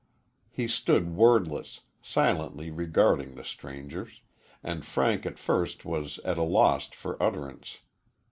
He stood wordless, silently regarding the strangers, and Frank at first was at a loss for utterance.